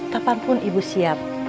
kapanpun ibu siap